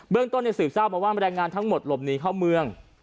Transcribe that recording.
เบื้องต้นยังสืบเศร้าบอกว่าแรงงานทั้งหมดหลบหนีเข้าเมือง